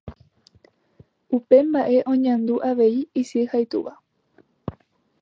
Upe mba'e oñandu avei isy ha itúva.